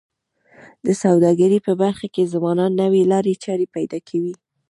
د سوداګرۍ په برخه کي ځوانان نوې لارې چارې پیدا کوي.